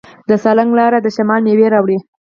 د سالنګ لاره د شمال میوې راوړي.